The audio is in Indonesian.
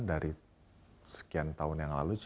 dari sekian tahun yang lalu